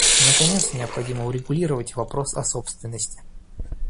Наконец, необходимо урегулировать вопрос о собственности.